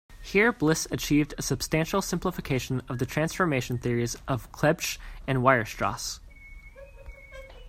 Here Bliss achieved a substantial simplification of the transformation theories of Clebsch and Weierstrass.